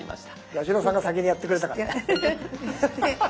八代さんが先にやってくれたから。